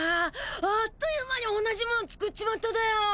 あっという間に同じもん作っちまっただよ。